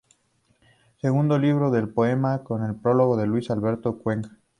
Segundo libro de poemas, con prólogo de Luis Alberto de Cuenca.